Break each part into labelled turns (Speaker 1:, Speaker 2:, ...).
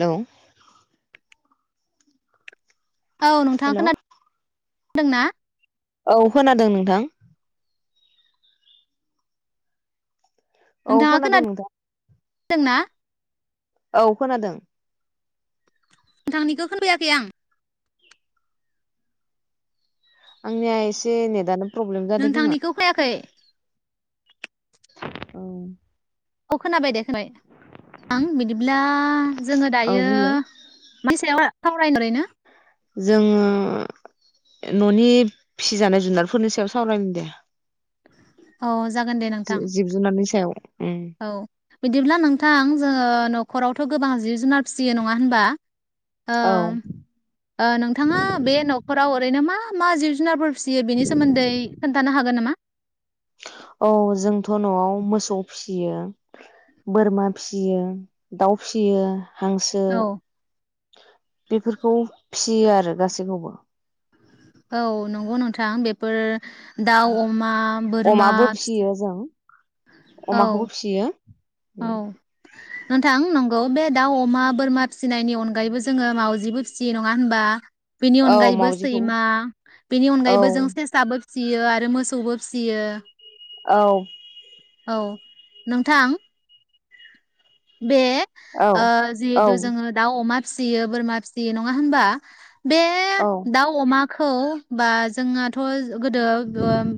Speaker 1: लौ
Speaker 2: औ नोंथाङा खोना दोंना?
Speaker 1: औ खोनादों नोंथां। औ
Speaker 2: नोंथाङा
Speaker 1: खोनादों नोंथां
Speaker 2: खोनादोंना?
Speaker 1: औ खोनादों
Speaker 2: नोंथांनिखौ खोनायाखै आं
Speaker 1: आंनिया एसे नेदानो
Speaker 2: नोंथांनिखौ फोयाखै
Speaker 1: उम
Speaker 2: अ खोनाबाय दे। बाय [inaudible] बिदिब्ला जोङो
Speaker 1: औ
Speaker 2: दायो
Speaker 1: बुंलाय
Speaker 2: बे [inaudible] सावराय ओरैनो
Speaker 1: जोङो ननि फिसिजानाय जुनारफोरनि सायाव सावरायनि दे।
Speaker 2: अ
Speaker 1: जि जिब जुनारनि सायाव। उम
Speaker 2: औ बिदिब्ला नोंथां जोङो न'खरावथ' गोबां जिब जुनार फिसियो नङा होनबा ओ
Speaker 1: औ
Speaker 2: ओ नोंथाङा बे न'खराव रैनो मा मा जिब जुनारफोर फिसियो बेनि सोमोन्दै खोन्थानो हागोन नामा?
Speaker 1: औ जोंथ' न'आव मोसौ फिसियो बोरमा फिसियो दाउ फिसियो हांसो
Speaker 2: औ
Speaker 1: बेफोरखौ फिसियो आरो गासैखौबो
Speaker 2: औ नंगौ नोंथां बेफोर दाउ अमा बोरमा
Speaker 1: अमाबो फिसियो जों
Speaker 2: औ
Speaker 1: अमाखौबो फिसियो
Speaker 2: औ नोंथां नंगौ बे दाउ अमा बोरमा फिसिनायनि अनगायैबो जोङो मावाजिबो फिसियो नङा होनबा बेनि
Speaker 1: औ
Speaker 2: अनगायैबो सैमा
Speaker 1: मावजिखौबो
Speaker 2: बिनि
Speaker 1: औ
Speaker 2: अनगायैबो जों सेसाबो फिसियो आरो मोसौबो फिसियो
Speaker 1: औ
Speaker 2: औ नोंथां बे ओ
Speaker 1: औ
Speaker 2: जिहेतु
Speaker 1: औ
Speaker 2: जोङो दाउ अमा फिसियो बोरमा फिसियो नङा होमबा बे
Speaker 1: औ
Speaker 2: दाउ अमा खौ बा जोंनाथ' गोदो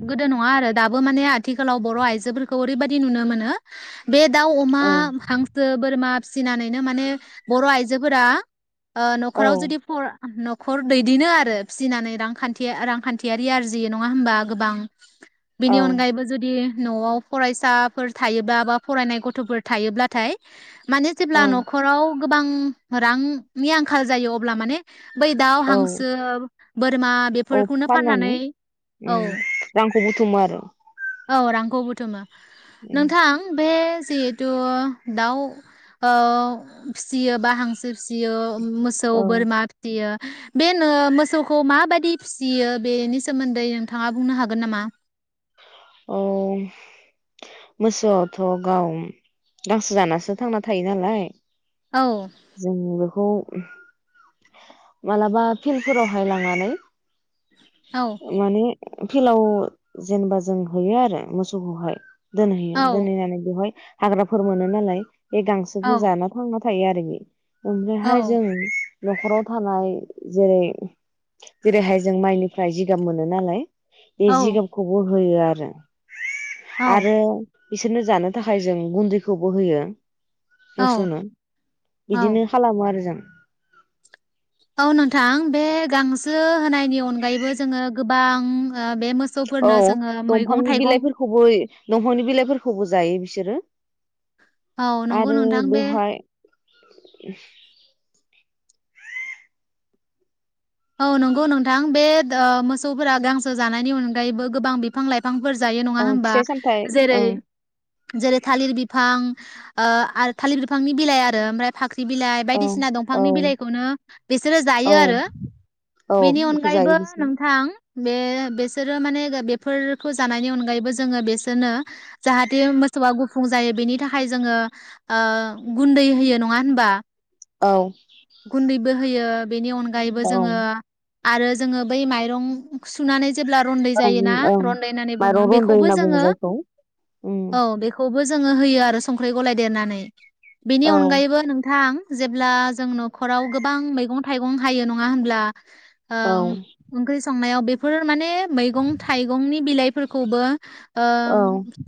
Speaker 2: गोदो नङा आरो दाबो माने आथिखालाव बर' आइजोफोरखौ ओरैबायदि नुनो मोनो । बे दाउ अमा
Speaker 1: औ
Speaker 2: हांस बोरमा फिसिनानैनो माने बर' आइजोफोरा न'खराव
Speaker 1: औ
Speaker 2: जुदि फरा न'खर दैदेनो आरो फिसिनानै रांखान्थि रांखान्थियारि आरजियो नङा होनबा गोबां
Speaker 1: औ
Speaker 2: बेनि अनगायैबो जुदि न'आव फरायसाफोर थायोब्ला बा फरायनाय गथ'फोर थायोब्लाथाय माने जेब्ला न'खराव गोबां रां नि आंखाल जायो अब्ला माने बै दाउ
Speaker 1: औ
Speaker 2: हांसो बोर
Speaker 1: औ फाननानै
Speaker 2: औ
Speaker 1: उम्म रांखौ बुथुमो आरो ।
Speaker 2: औ रांखौ बुथुमो । नोंथां बे जिहेतु दाउ ओ फिसियो बा हांसो फिसियो मोसौ
Speaker 1: औ
Speaker 2: बोरमा फिसियो बेनो मोसौखौ माबायदि फिसियो बेनि सोमोन्दै नोंथाङा बुंनो हागोन नामा?
Speaker 1: औ मोसौआवथ' गाव गांसो जानासो थांना थायो नालाय
Speaker 2: औ
Speaker 1: । जों बेखौ [inaudible] मालाबा फिल्डफोरावहाय लांनानै
Speaker 2: औ
Speaker 1: माने फिलाव जेनेबा जों होयो आरो मोसौखौहाय । दोनहैयो
Speaker 2: औ
Speaker 1: दोनहैनानै बेवहाय हाग्राफोर मोनो नालाय बे
Speaker 2: औ
Speaker 1: गांसोखौ
Speaker 2: औ
Speaker 1: जाना थांना थायो आरोबि ओमफ्रायहाय
Speaker 2: औ
Speaker 1: जों न'खराव थानाय जेरै जेरैहाय जों माइनिफ्राय जिगाब मोनो । ओ नालाय ए जिगाबखौबो होयो आरो। [inaudible]
Speaker 2: औ
Speaker 1: आरो बिसोरनो जानो थाखाय जों गुन्दैखौबो होयो।
Speaker 2: औ
Speaker 1: मोसौनो
Speaker 2: औ
Speaker 1: बिदिनो खालामो आरो जों।
Speaker 2: औ नोंथां बे गांसो होनायनि अनगायैबो जोङो गोबां ओ बे मो
Speaker 1: औ दंफांनि बिलाइफोरखौबो दंफांनि बिलाइफोरखौबो जायो। बिसोरो।
Speaker 2: औ नंगौ
Speaker 1: आरो
Speaker 2: नोंथां बे
Speaker 1: बेवहाय [unintelligible]
Speaker 2: औ नंगौ नोंथां बे ओ मोसौफोरा गांसो जानायनि अनगायैबो गोबां बिफां-लाइफां फोर जायो नङा
Speaker 1: औ
Speaker 2: होबा?
Speaker 1: फिथाइ सामथाइ
Speaker 2: जेरै
Speaker 1: ओं
Speaker 2: जेरै थालिर बिफां ओ आल थालिर बिफांनि बिलाइ आरो ओमफ्राय फाख्रि नि बिलाइ
Speaker 1: औ
Speaker 2: बायदिसिना
Speaker 1: औ
Speaker 2: दंफांनि बिलाइखौनो बिसोरो
Speaker 1: औ
Speaker 2: जायो आरो।
Speaker 1: औ
Speaker 2: बेनि
Speaker 1: बेखौ जायो
Speaker 2: अनगायैबो
Speaker 1: बिसोर
Speaker 2: नोंथां। बे बेसोरो माने दा बेफोरखौ जानायनि अनगायैबो जोंङो बेसोरनो जाहाथे मोसौआ गुफुं जायो बेनि थाखाय जोंङो ओ गुन्दै होयो नङा होनबा?
Speaker 1: औ
Speaker 2: गुन्दैबो होयो। बेनि अनगायै
Speaker 1: औ
Speaker 2: जोङो आरो जोङो बै माइरं सुनानै जेब्ला रन्दै
Speaker 1: ओं
Speaker 2: जायोना
Speaker 1: ओं
Speaker 2: रन्दै होननानै बुंङो
Speaker 1: माइरं रन्दै
Speaker 2: बेखौबो
Speaker 1: होनना बुङो
Speaker 2: जोंङो
Speaker 1: जायखौ उम
Speaker 2: औ बेखौ बो जोंङो होयो आरो संख्रि गलायदेरनानै। बेनि
Speaker 1: औ
Speaker 2: अनगायैबो नोंथां। जेब्ला जों न'खराव गोबां मैगं-थाइगं हायो नं नंङा होनब्ला।
Speaker 1: औ
Speaker 2: ओं ओंख्रि संनायाव बेफोर माने मैगं थाइगंनि बिलाइफोरखौबो ओं
Speaker 1: औ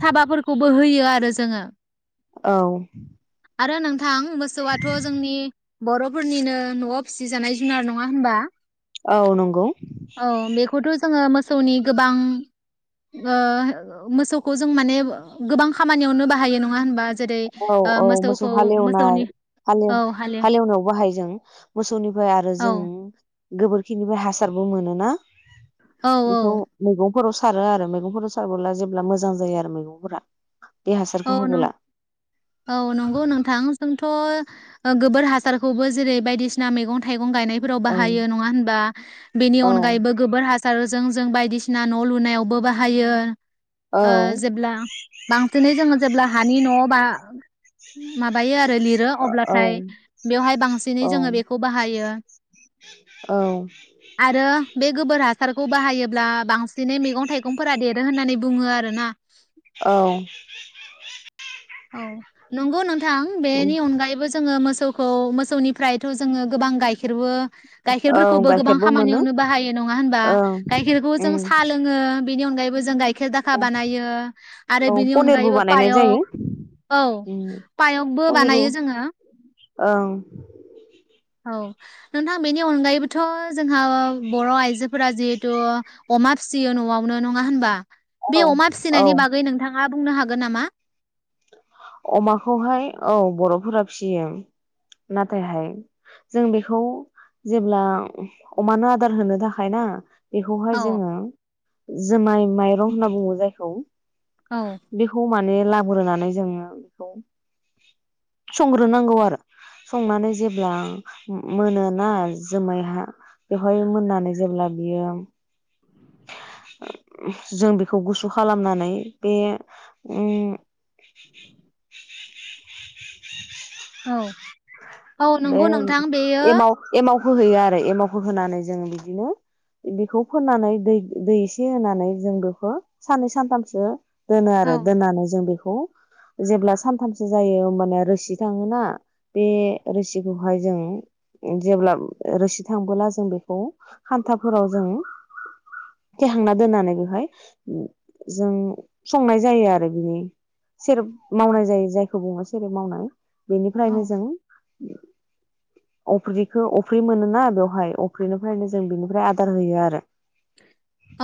Speaker 2: साबाफोरखौबो होयो आरो जोङो
Speaker 1: औ।
Speaker 2: आरो नों थां मोसौआथ' जोंनि बर'फोरनिनो न'आव फिसि जानाय जुनार न नंङा होनबा।
Speaker 1: औ नंगौ।
Speaker 2: सौनि गोबां ओ मोसौखौ जों माने गोबां खामानियावनो बाहायो नंङा होनबा। जेरै
Speaker 1: औ
Speaker 2: ओ
Speaker 1: औ मोसौ
Speaker 2: मोसौखौ
Speaker 1: हालेवनाय
Speaker 2: मोसौनि
Speaker 1: हालेव
Speaker 2: औ हालेव
Speaker 1: हालेवनायाव बाहायो जों मोसौनिफ्राय आरो।
Speaker 2: औ
Speaker 1: जों। गोबोरखिनिफ्राय हासारबो मोनोना।
Speaker 2: औ औ
Speaker 1: बेखौ मैगं। गंफोराव सारो आरो मैगंफोराव सारबोला जेब्ला मोजां जायो आरो मैगंफोरा। बे
Speaker 2: औ
Speaker 1: हासारखौ
Speaker 2: नं
Speaker 1: होबोला।
Speaker 2: औ नंगौ नोंथां। जोंथ' गोबोर हासारखौबो जेरै बायदिसिना मैगं थाइगं। गं गायनाय फोराव
Speaker 1: औ
Speaker 2: बाहायो नंङा होमबाबेनि
Speaker 1: औ
Speaker 2: अनगायैबो जोबोर हाबा सारजों जों बायदिसिना न' लुनायावबो बाहायो।
Speaker 1: औ
Speaker 2: जेब्ला बां जेब्ला हानि न' बा माबायो आ सो लिरो
Speaker 1: औ
Speaker 2: अब्लाथाय बेयावहाय बांसिनै
Speaker 1: औ
Speaker 2: बेखौ बाहायो
Speaker 1: औ
Speaker 2: आरो बे गोबोरा हासारखौ बाहायोब्ला बांसिनै मैगं थाइगंफोरा देरो होननानै बुङो आरोना।
Speaker 1: औ।
Speaker 2: औ नंगौ। थां बेनि अनगायैबो जो मो। मोसौखौ मोसौनिफ्रायथ' जोङो गोबां गाइखेरबो।
Speaker 1: औ
Speaker 2: गायखेरफोरखौबो गोबां
Speaker 1: गाइखेरबो मोनो
Speaker 2: खामानियावनो बाहायो नङा होनबा
Speaker 1: ओं
Speaker 2: गाइखेरखौ जों
Speaker 1: उम
Speaker 2: साहा लोङो । बेनि अनायैबो जों गाय। गेर दाखा बानाय। आरो
Speaker 1: औ
Speaker 2: बेनि
Speaker 1: पनिरबो
Speaker 2: अनगायैबो
Speaker 1: बानायनाय जायो
Speaker 2: पायक औ
Speaker 1: उम
Speaker 2: पायकबो
Speaker 1: पनिरबो
Speaker 2: बानायो जोङो।
Speaker 1: ओं
Speaker 2: औ नोंथां बेनि अनगायैबोथ' जोंहा बर' आइजोफोरा जिहेथु अमा फिसियो न'आवनो नङा होनबा। बे
Speaker 1: औ
Speaker 2: अमा
Speaker 1: औ
Speaker 2: फिसिनायनि बागै नोंथाङा। मा बुंनो हागोन नामा।
Speaker 1: अमाखौहाय औ बर'फोरा फियो नाथायहाय जों बेखौ जेब्ला अमानो आदार होनो थाखाय ना। बेखौहाय
Speaker 2: औ
Speaker 1: जोङो जुमाय माइरं। होनना बुङो जायखौ।
Speaker 2: औ
Speaker 1: बिखौ मा। बे लाबोना। जोङो बेखौ संग्रोनांगौ आरो संनानै जेब्ला मोनोना जोमाया बेवहाय मोननानै जेब्ला बियो। जों बेखौ गुसु खालामनानै बे
Speaker 2: औ। औ
Speaker 1: बे
Speaker 2: नंगौ नोंथां बेयो
Speaker 1: एमाव एमाव होहैयो आरो। एमावखौ होनानै जोङो बिदिनो बेखौ फोननानै दै दै एसे होनानै जों बेखौ साननै सानथामसो दोनो
Speaker 2: औ
Speaker 1: आरो दोननानै जों बेखौ खौ जेब्ला सानथामसो जायो होमबाना रोसि थाङोना बे रोसिखौहाय जों जेब्ला रोसि थांबोला जों बेखौ खान्थाफोराव जों थेहांना दोननानै बेहाय जों संनाय जायो आरो बिनि सेर
Speaker 2: औ
Speaker 1: मावनाय जायो जाय सुबुङासो एरै मावनाय
Speaker 2: औ
Speaker 1: बेनिफ्रायनो जों अफ्रिखौ अफ्रि मोनोना बेवहाय अफ्रिनिफ्रायनो जों बेनिफ्राय आदार होयो आरो।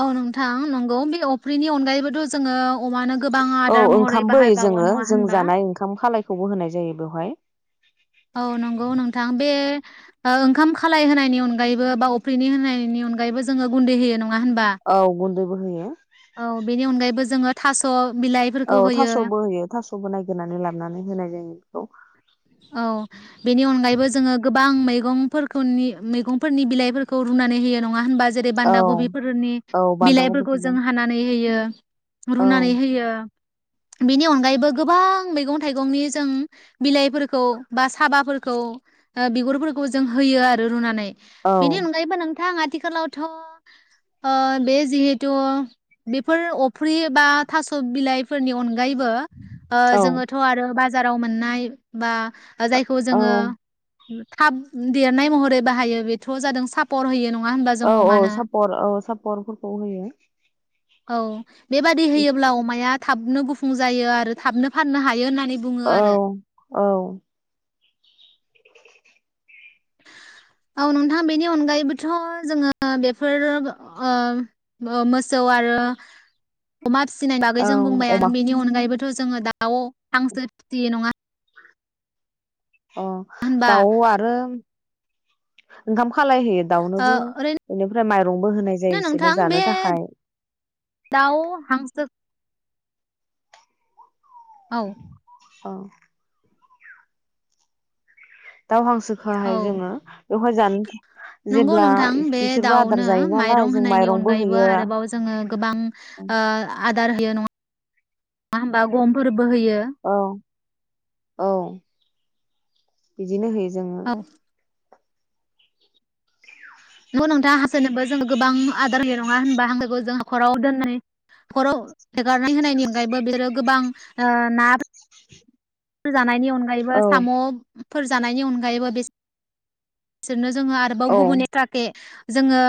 Speaker 2: औ नोंथां नंगौ बे अफ्रिनि अनगायैबोथ' जोङो अमानो गोबां
Speaker 1: औ
Speaker 2: आदार महरै
Speaker 1: ओंखामबो
Speaker 2: बाहायबावो नङा होनबा
Speaker 1: खौबो होनाय जायो बेवहाय।
Speaker 2: औ नंगौ नोंथां बे ओंखाम खालाय होनायनि अनगायैबो बा अफ्रिनि होनायनि अनगायैबो जोङो गुन्दै होयो नङा होनबा
Speaker 1: औ गुन्दै बोहैयो।
Speaker 2: औ बेनि अनगायैबो जोङो थास'
Speaker 1: औ
Speaker 2: बिलाइफोरखौ होयो
Speaker 1: थास'बो होयो थास'बो नागिरनानै लाबनै होनाय जायो बेखौ।
Speaker 2: औ बेनि अनगायैबो जोङो गोबां मैगंफोरखौ नि मैगंफोरनि बिलाइफोर खौ रुनानै होयो नङा होनबा? जेरै
Speaker 1: औ
Speaker 2: बान्दा कबिफोरनि
Speaker 1: औ बान्दा
Speaker 2: बिलाइफोरखौ
Speaker 1: खबिखौबो
Speaker 2: जों हानानै होयो। [inaudible]
Speaker 1: औ
Speaker 2: रुनानै होयो। बेनि अनगायैबो गोबां मैगं थाइगंनि जों बिलाइफोरखौ बा साबाफोरखौ ओ बिगुरफोरखौ जों होयो आरो रुनानै।
Speaker 1: औ
Speaker 2: बेनि अनगायैबो नोंथाङा आ आथिखालावथ' ओ बे जिहेथु बेफोर अफ्रि बा थास' बिलाइफोरनि अन गायैबो ओ
Speaker 1: औ
Speaker 2: जोङोथ' आरो बा बाजाराव मोननाय बा जायखौ
Speaker 1: औ
Speaker 2: जोङो थाब देरनाय महरै बाहायो बेथ' जादों सापर होयो नङा होनबा जों
Speaker 1: औ औ
Speaker 2: अमानो
Speaker 1: सापर औ सापरफोरखौ होयो।
Speaker 2: औ बेबादि होयोब्ला अमाया थाबनो गुफुं जायो आरो थाबनो फाननो हायोना [unintelligible] बुङो
Speaker 1: औ
Speaker 2: आरो
Speaker 1: औ
Speaker 2: औ नोंथां बेनि अनगायैबोथ' जोङो बेफोर ओ ओ मोसौ आरो अमा फिसिनाय बागै
Speaker 1: औ
Speaker 2: जों
Speaker 1: अमा
Speaker 2: बुंबायानो बेनि अनगायैबो थ' जोङो दा दाउ हांसो फिसियो नङा होनबा
Speaker 1: अ
Speaker 2: होनबा
Speaker 1: दाउ आरो ओंखामखौ खालायहोयो
Speaker 2: ओ
Speaker 1: दाउनोबो
Speaker 2: ओरैनो
Speaker 1: बेनिफ्राय माइरंबो होनाय जायो इसोरनो
Speaker 2: नोंथां
Speaker 1: जानो
Speaker 2: बे
Speaker 1: थाखाय
Speaker 2: दाउ हांसो औ
Speaker 1: [inaudible] अ दाउ हांसोखौहाय
Speaker 2: औ
Speaker 1: जोङो बेवहाय जानो
Speaker 2: नंगौ
Speaker 1: जेब्ला
Speaker 2: नोंथां बे
Speaker 1: बिसोरबो आदार
Speaker 2: दाउनो
Speaker 1: जायो नालाय
Speaker 2: माइरं
Speaker 1: जों
Speaker 2: होनायनि
Speaker 1: माइरंबो
Speaker 2: अनगायैबो
Speaker 1: होयो
Speaker 2: आरोबाव जोङो गोबां ओ आदार होयो नङा होम्बा गमफोर [unintelligible]
Speaker 1: औ औ बिदिनो होयो जों जोङो
Speaker 2: औ नंगौ नोंथां हांसोनोबो जोंङो गोबां आदार होयो नङा होनबा हांसोखौ जों न'खराव दोननाय न'खराव हेगारनाय होनायनि अनगायैबो बिसोरो गोबां ना जानायनि अन ओमफ्रायबो
Speaker 1: औ
Speaker 2: साम' फोर जानायनि अनगायैबो बे बिसोरनो जोङो आरोबाव
Speaker 1: औ
Speaker 2: गुबुननि थाखै जोङो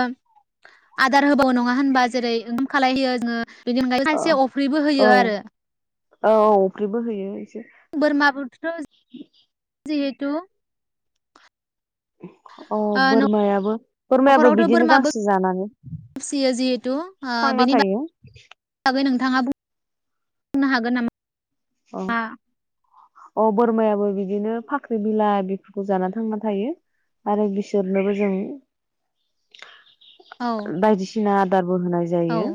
Speaker 2: आदार होबाव नङा होनबा जेरै ओंखाम खालाय होयो जोङो बेनि अनगायै
Speaker 1: ओ
Speaker 2: खायसे अफ्रिबो होयो आरो
Speaker 1: औ-औ-औ अफ्रिबो होयो एसे
Speaker 2: बोरमा फोरखोथ' [unintelligible]
Speaker 1: [unintelligible]
Speaker 2: जिहेतु
Speaker 1: [unintelligible] अ
Speaker 2: ओ
Speaker 1: बोरमायाबो बोरमायाबो
Speaker 2: न'खरावथ'
Speaker 1: बिदिनो
Speaker 2: बोरमाबो
Speaker 1: गांसो जानानै
Speaker 2: फिसियो जिहेथु ओ
Speaker 1: थांना
Speaker 2: बेनि
Speaker 1: थायो
Speaker 2: बागै नोंथाङा बुं बुंनो हागोन नामा
Speaker 1: अ अ बोरमाया बो बिदिनो फाख्रि बिलाइ बेफोरखौ जानानै थांना थायो आरो बिसोरनोबो जों
Speaker 2: औ
Speaker 1: बायदिसिना बो होनाय
Speaker 2: औ
Speaker 1: जायो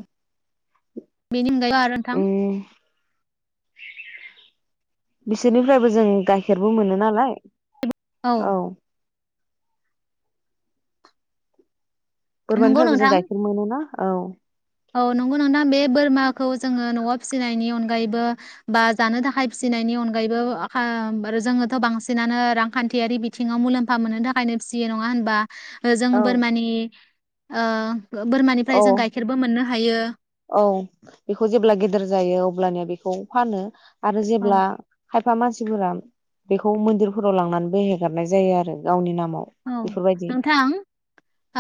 Speaker 1: ।
Speaker 2: बेनि आरो नोंथां
Speaker 1: बिसोरनिफ्रायबो जों गाइ गाइखेरबो मोनो नालाय औ
Speaker 2: नंगौ
Speaker 1: बोरमानिफ्रायबो जों
Speaker 2: नोंथां
Speaker 1: गाइखेर मोनोना औ
Speaker 2: औ नंगौ नोंथां बे बोरमाखौ जोङो न'आव फिसिनायनि अनगायैबो बा जानो थाखाय फिसिनायनि अनगायैबो जोङोथ' बांसिनानो रांखान्थियारि बिथिङाव मुलाम्फा मोननो थाखायनो फिसियो नङा होनबा जों बोरमानि ओ ओ
Speaker 1: औ
Speaker 2: बोरमानिफ्राय जों गाइखेरबो मोननो हायो
Speaker 1: औ बेखौ जेब्ला गेदेर जायो अब्लानिया बेखौ फानो आरो
Speaker 2: औ
Speaker 1: जेब्ला खायफा मानसिफोरा बेखौ मन्दिरफोराव लांनानैबो हेगारनाय जायो आरो गावनि नाम
Speaker 2: औ नोंथां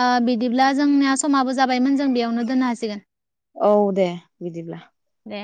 Speaker 2: ओ बिदिब्ला जोंनिया समाबो जाबायमोन जों बेयावनो दोननो हासिगोन
Speaker 1: औ दे बिदिब्ला।
Speaker 2: दे